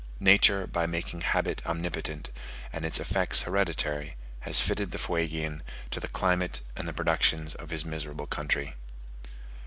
Nature by making habit omnipotent, and its effects hereditary, has fitted the Fuegian to the climate and the productions of his miserable country.